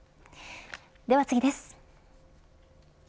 では、次です。